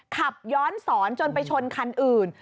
ขับย้อนสอนจนไปชนคันอื่น